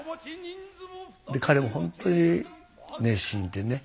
で彼も本当に熱心でね。